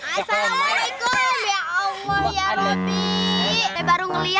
baru ngeliat kelapa dimakan sama kelapa